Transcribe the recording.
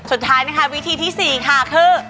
สุดท้ายนะคะวิธีที่๔ค่ะคือ